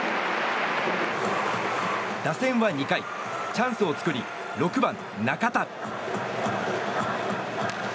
打線は２回、チャンスを作り６番、中田。